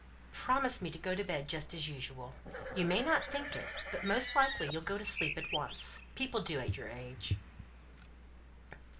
"Promise me to go to bed just as usual. You may not think it, but most likely you'll go to sleep at once. People do at your age."